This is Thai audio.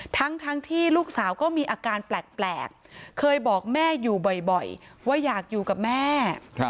ทั้งที่ลูกสาวก็มีอาการแปลกเคยบอกแม่อยู่บ่อยว่าอยากอยู่กับแม่